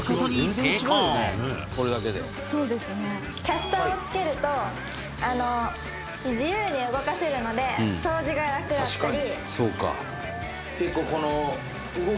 麻帆ちゃん：キャスターを付けると自由に動かせるので掃除が楽だったり。